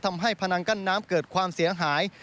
พนังกั้นน้ำเกิดความเสียหาย